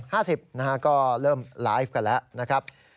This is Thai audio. ๕๐โมงก็เริ่มไลฟ์กันแหละนะครับ